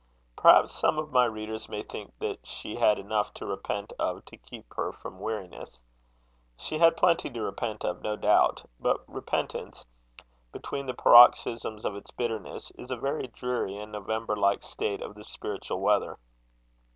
Perhaps some of my readers may think that she had enough to repent of to keep her from weariness. She had plenty to repent of, no doubt; but repentance, between the paroxysms of its bitterness, is a very dreary and November like state of the spiritual weather.